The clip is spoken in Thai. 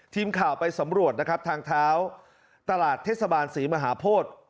ทีมข่าวไปสำรวจนะครับทางเท้าตลาดเทศบาลศรีมหาโพธิ